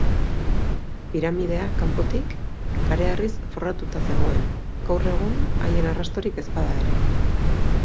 Piramidea, kanpotik, kareharriz forratua zegoen, gaur egun haien arrastorik ez bada ere.